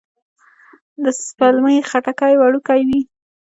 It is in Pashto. د سپلمۍ خټکی وړوکی وي